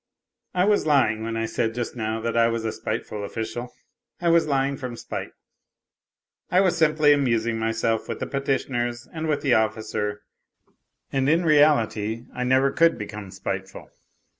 I was lying when I said just now that I was a spiteful official. I was lying from spite. I was simply amusing myself with the petitioners and with the officer, and in reality I never could become spiteful.